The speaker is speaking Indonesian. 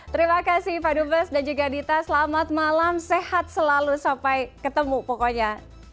terima kasih pak dubes dan juga dita selamat malam sehat selalu sampai ketemu pokoknya